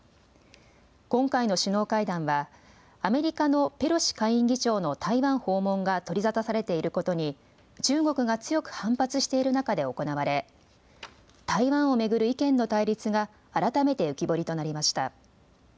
今回の首脳会談は、アメリカのペロシ下院議長の台湾訪問が取り沙汰されていることに、中国が強く反発している中で行われ、台湾を巡る意見の対立が改めて浮き彫りとなりました。